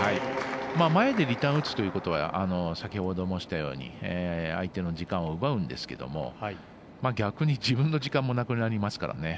前でリターン打つというのは相手の時間を奪うんですけれども逆に自分の時間もなくなりますからね。